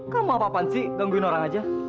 kamu apa apaan sih gangguin orang aja